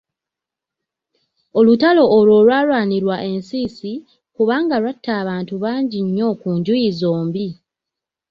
Olutalo olwo olwalwanirwa e Nsiisi, kubanga lwatta abantu bangi nnyo ku njuyi zombi.